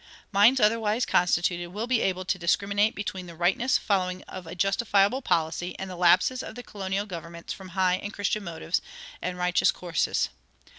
Minds otherwise constituted will be able to discriminate between the righteous following of a justifiable policy and the lapses of the colonial governments from high and Christian motives and righteous courses.